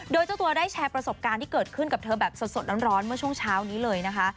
โดยเจ้าตัวได้แชร์ประสบการณ์ที่เกิดขึ้นกับเธอแบบสดร้อนเมื่อช่วงเช้านี้เลยนะคะ